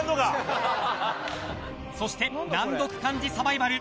そして、難読漢字サバイバル。